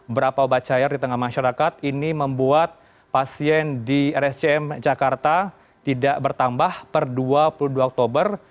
berapa obat cair di tengah masyarakat ini membuat pasien di rscm jakarta tidak bertambah per dua puluh dua oktober